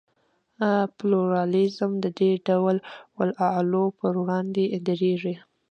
پلورالېزم د دې ډول اعلو پر وړاندې درېږي.